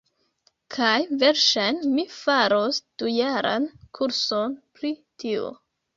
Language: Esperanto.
kaj verŝajne mi faros dujaran kurson pri tio.